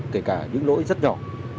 kể cả những lỗi rất nhỏ